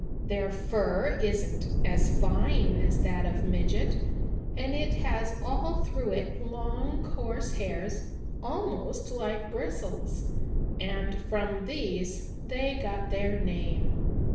Their fur isn't as fine as that of Midget, and it has all through it long coarse hairs almost like bristles, and from these they get their name.